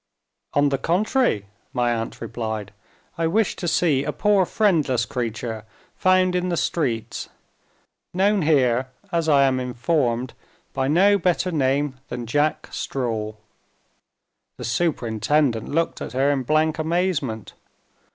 "On the contrary," my aunt replied, "I wish to see a poor friendless creature, found in the streets; known here, as I am informed, by no better name than Jack Straw." The superintendent looked at her in blank amazement.